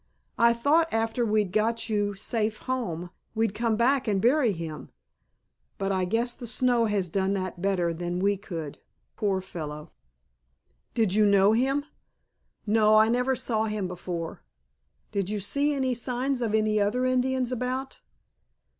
"I thought after we'd got you safe home we'd come back and bury him; but I guess the snow has done that better than we could, poor fellow!" "Did you know him?" "No, I never saw him before." "Did you see any signs of any other Indians about?"